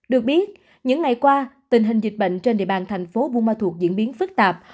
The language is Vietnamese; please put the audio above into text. được biết những ngày qua tình hình dịch bệnh trên địa bàn thành phố buôn ma thuột diễn biến phức tạp